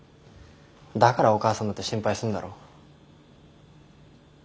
だからお母さんだって心配すんだろ。